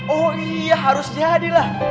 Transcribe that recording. oh iya harus jadi lah